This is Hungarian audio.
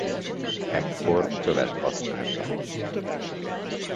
Ekkor követ használtak.